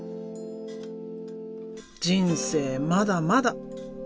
人生まだまだ。